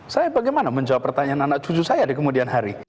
saya bagaimana menjawab pertanyaan anak cucu saya di kemudian hari